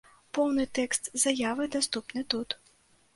Поўны тэкст заявы даступны тут.